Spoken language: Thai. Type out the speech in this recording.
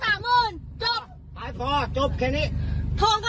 เฮ้ยมึงอย่ามาตับแม่งนะ